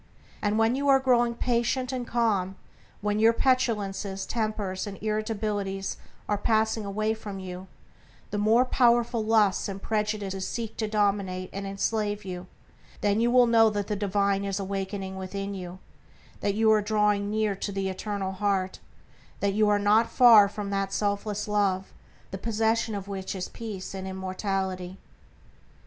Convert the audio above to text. And when you are growing patient and calm, when your petulances, tempers, and irritabilities are passing away from you, and the more powerful lusts and prejudices cease to dominate and enslave you, then you will know that the divine is awakening within you, that you are drawing near to the eternal Heart, that you are not far from that selfless Love, the possession of which is peace and immortality.